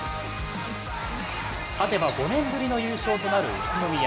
勝てば５年ぶりの優勝となる宇都宮。